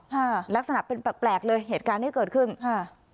ค่ะลักษณะเป็นแปลกแปลกเลยเหตุการณ์ที่เกิดขึ้นค่ะ